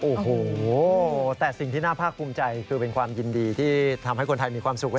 โอ้โหแต่สิ่งที่น่าภาคภูมิใจคือเป็นความยินดีที่ทำให้คนไทยมีความสุข